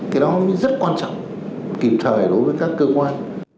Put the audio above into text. cái đó rất quan trọng kịp thời đối với các cơ quan